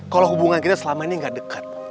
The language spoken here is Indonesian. kalau hubungan kita selama ini gak dekat